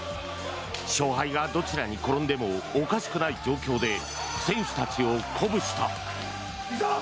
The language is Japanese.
勝敗がどちらに転んでもおかしくない状況で選手たちを鼓舞した。